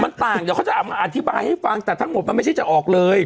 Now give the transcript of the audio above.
มันต่างเดี๋ยวเขาจะออกมาอธิบายให้ฟังแต่ทั้งหมดมันไม่ใช่จะออกเลย